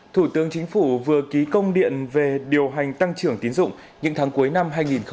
thủ tướng chính phủ vừa ký công điện về điều hành tăng trưởng tiến dụng những tháng cuối năm hai nghìn hai mươi